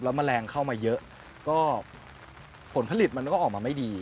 คุณต้องเป็นผู้งาน